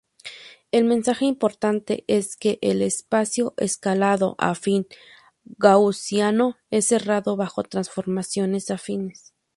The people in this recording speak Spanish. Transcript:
El mensaje importante es que el espacio-escalado afín Gaussiano es cerrado bajo transformaciones afines.